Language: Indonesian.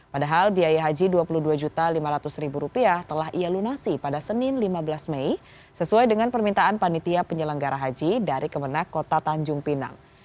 padahal biaya haji rp dua puluh dua lima ratus telah ia lunasi pada senin lima belas mei sesuai dengan permintaan panitia penyelenggara haji dari kemenang kota tanjung pinang